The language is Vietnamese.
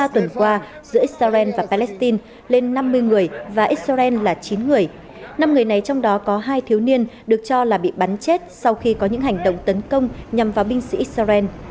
ba tuần qua giữa israel và palestine lên năm mươi người và israel là chín người năm người này trong đó có hai thiếu niên được cho là bị bắn chết sau khi có những hành động tấn công nhằm vào binh sĩ israel